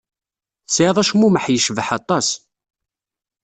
Tesɛiḍ acmumeḥ yecbeḥ aṭas.